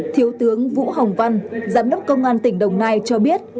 thiếu tướng vũ hồng văn giám đốc công an tỉnh đồng nai cho biết